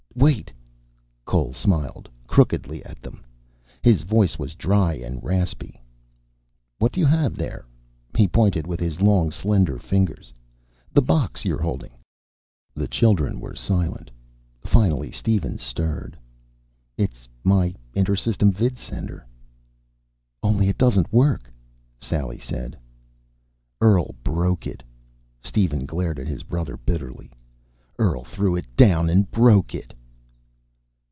"Wait." Cole smiled crookedly at them. His voice was dry and raspy. "What do you have there?" He pointed with his long, slender fingers. "The box you're holding." The children were silent. Finally Steven stirred. "It's my inter system vidsender." "Only it doesn't work," Sally said. "Earl broke it." Steven glared at his brother bitterly. "Earl threw it down and broke it."